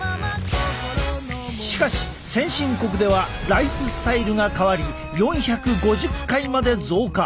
しかし先進国ではライフスタイルが変わり４５０回まで増加。